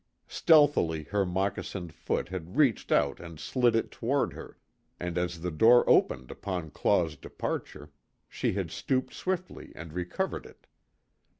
Stealthily her moccasined foot had reached out and slid it toward her, and as the door opened upon Claw's departure, she had stooped swiftly and recovered it.